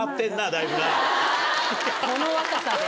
この若さで。